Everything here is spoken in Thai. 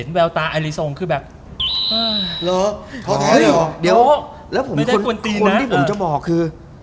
และผมคนที่จะบอกคือ